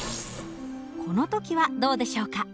この時はどうでしょうか？